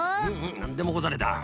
なんでもござれだ。